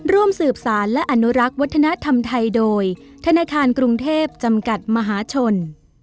ร่วมสืบสารและอนุรักษ์วัฒนธรรมไทยโดยธนาคารกรุงเทพจำกัดมหาชน